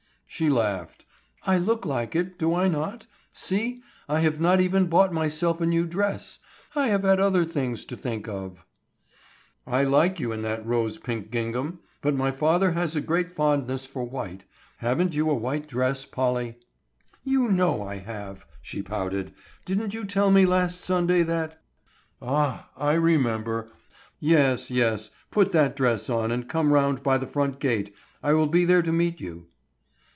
She laughed. "I look like it, do I not? See. I have not even bought myself a new dress. I have had other things to think of." "I like you in that rose pink gingham, but my father has a great fondness for white. Haven't you a white dress, Polly?" "You know I have," she pouted. "Didn't you tell me last Sunday that——" "Ah, I remember. Yes, yes, put that dress on and come round by the front gate; I will be there to meet you."